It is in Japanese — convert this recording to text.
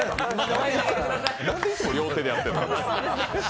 なんで、いつも両手でやってんの。